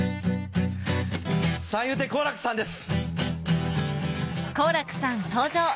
三遊亭好楽さんです。